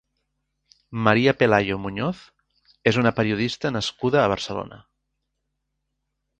María Pelayo Muñoz és una periodista nascuda a Barcelona.